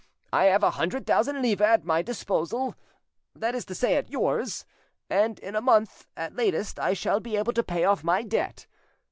I have a hundred thousand livres at my disposal,—that is to say, at yours,—and in a month at latest I shall be able to pay off my debt.